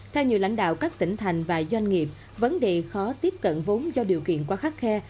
theo nhiều lãnh đạo các tỉnh thành và doanh nghiệp vấn đề khó tiếp cận vốn do điều kiện quá khắt khe